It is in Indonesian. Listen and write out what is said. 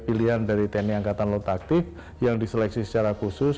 pilihan dari tni angkatan laut taktik yang diseleksi secara khusus